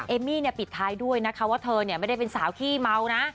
เอมมี่เนี่ยปิดท้ายด้วยนะคะเขาว่าเธอเนี่ยไม่ได้เป็นสาวขี้เมานะ